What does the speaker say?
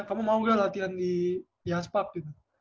kamu mau gak latihan di aspak gitu